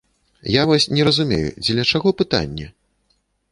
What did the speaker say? Я вось не разумею, дзеля чаго пытанне?